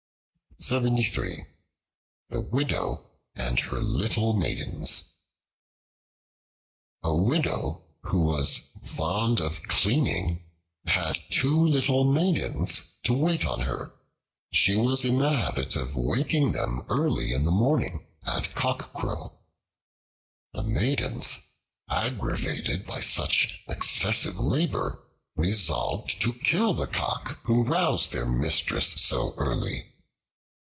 The Widow and Her Little Maidens A WIDOW who was fond of cleaning had two little maidens to wait on her. She was in the habit of waking them early in the morning, at cockcrow. The maidens, aggravated by such excessive labor, resolved to kill the cock who roused their mistress so early.